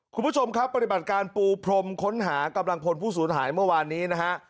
คุณผู้ชมครับปฏิบัติการปูพรมค้นหากำลังพลผู้สูญหายเมื่อวานนี้นะฮะ